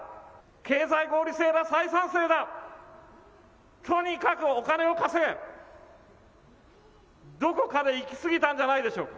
経済合理性だ、採算性だ、とにかくお金を稼げ、どこかで行き過ぎたんじゃないでしょうか。